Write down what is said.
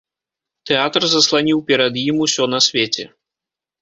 Тэатр засланіў перад ім усё на свеце.